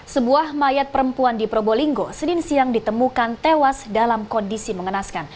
sebuah mayat perempuan di probolinggo senin siang ditemukan tewas dalam kondisi mengenaskan